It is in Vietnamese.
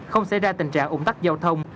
không xảy ra tình trạng ủng tắc giao thông